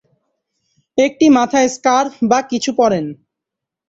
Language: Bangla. একটি মাথায় স্কার্ফ বা কিছু পরেন!